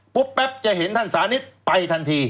ปุ๊บแป๊บจะเห็นท่านสานิษฐ์ไปทันที